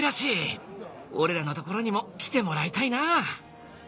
俺らのところにも来てもらいたいな。